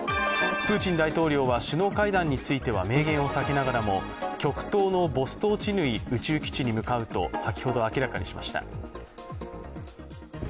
プーチン大統領は首脳会談については明言を避けながらも極東のボストチヌイ宇宙基地に向かうと先ほど明らかにしました。